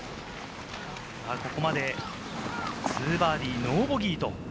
ここまで２バーディー、ノーボギー。